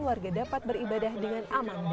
warga dapat beribadah dengan aman dan damai